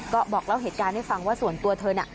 ก็บอกเล่าเหตุการณ์ให้ฟังว่าส่วนตัวเธอน่ะ